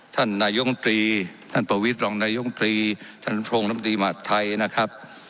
ท่านนายมตรีท่านประวิทย์รองนายมตรีท่านโรงน้ำตรีมหาดไทยนะครับ